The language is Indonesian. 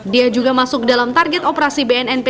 dia juga masuk dalam target operasi bnnp